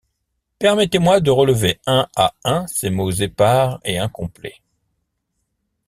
Permettez-moi de relever un à un ces mots épars et incomplets.